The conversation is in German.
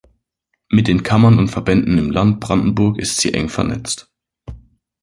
Mit den Kammern und Verbänden im Land Brandenburg ist sie eng vernetzt.